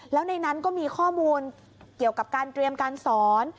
แล้วในนั้นก็มีข้อมูลเกี่ยวกับการเตรียมการสอน